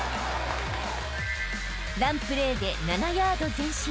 ［ランプレーで７ヤード前進］